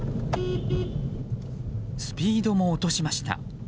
スピードも落としました。